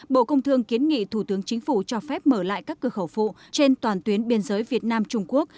bộ công thương kiến nghị thủ tướng chính phủ cho phép mở lại các cửa khẩu phụ trên toàn tuyến biên giới việt nam trung quốc